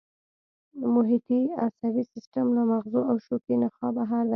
محیطي عصبي سیستم له مغزو او شوکي نخاع بهر دی